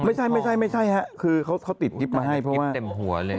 ไม่ใช่เค้าติดกลิปมาให้เพราะว่า